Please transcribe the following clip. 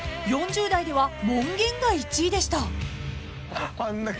［４０代では門限が１位でした］